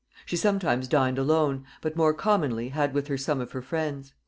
She sometimes dined alone, but more commonly had with her some of her friends.